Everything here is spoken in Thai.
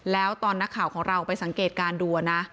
แล้วตอนหน้าข่าวของเราไปสังเกตการดู